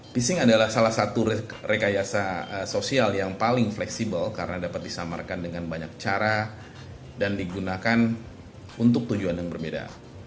phishing adalah salah satu rekayasa sosial yang paling fleksibel karena dapat disamarkan dengan banyak cara dan digunakan untuk tujuan yang berbeda